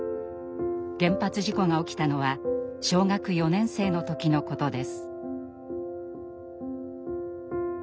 原発事故が起きたのは小学４年生の時のことです。